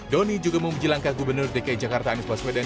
doni juga memuji langkah gubernur dki jakarta anies baswedan